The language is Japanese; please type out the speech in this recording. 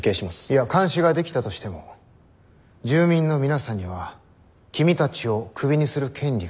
いや監視ができたとしても住民の皆さんには君たちをクビにする権利がないんです。